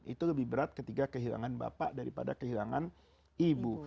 itu lebih berat ketika kehilangan bapak daripada kehilangan ibu